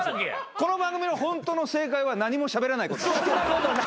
この番組のホントの正解は何もしゃべらないこと。